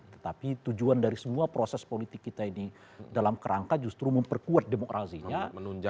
tetapi tujuan dari semua proses politik kita ini dalam kerangka justru memperkuat demokrasinya